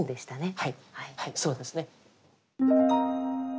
はいそうですね。